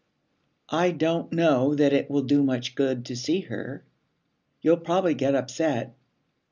'I don't know that it will do you much good to see her. You'll probably get upset.'